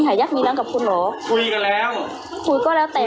อ๋อเจ้าสีสุข่าวของสิ้นพอได้ด้วย